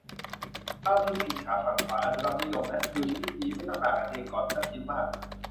บางทีก็อิจฉาฝั่งขวาอนุรักษ์นิยมนะ ดูชีวิตดี ไม่ต้องด่ากันเองก่อน ไม่ต้องคิดมาก